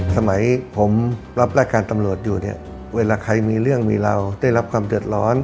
สมัยผมรับรายการตำรวจอยู่เนี่ยเวลาใครมีเรื่องมีเราได้รับความเดือดร้อน